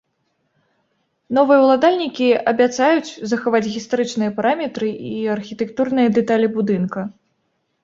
Новыя ўладальнікі абяцаюць захаваць гістарычныя параметры і архітэктурныя дэталі будынка.